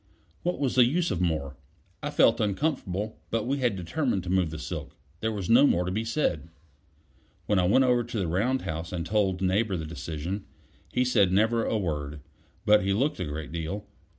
What was the use of more? I felt uncomfortable; but we had determined to move the silk; there was no more to be said. When I went over to the round house and told Neighbor the decision, he said never a word; but he looked a great deal.